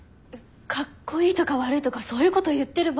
かっこいいとか悪いとかそういうこと言ってる場合？